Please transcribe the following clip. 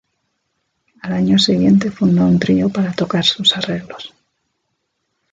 Al año siguiente funda un trío para tocar sus arreglos.